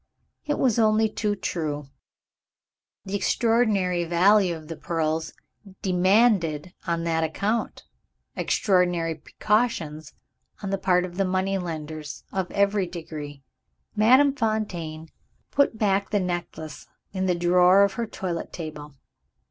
It was only too true! The extraordinary value of the pearls demanded, on that account, extraordinary precautions on the part of moneylenders of every degree. Madame Fontaine put back the necklace in the drawer of her toilette table.